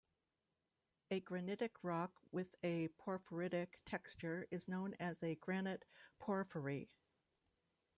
A granitic rock with a porphyritic texture is known as a granite porphyry.